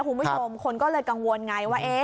คุณผู้ชมคนก็เลยกังวลไงว่า